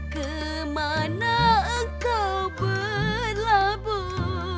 kemana engkau berlabuh